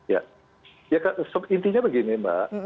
ya intinya begini mbak